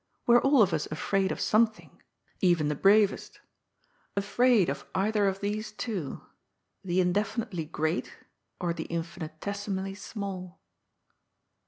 We are all of us afraid of something — even the bravest — ^afraid of either of these two : the indefinitely great, or the infinitesimally small.